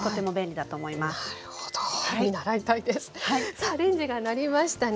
さあレンジが鳴りましたね。